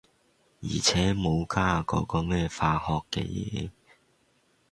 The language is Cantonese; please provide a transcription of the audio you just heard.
而且無加嗰啲咩化學嘅嘢。